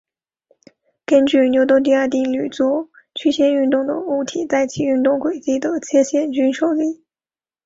根据牛顿第二定律做曲线运动的物体在其运动轨迹的切向均受力。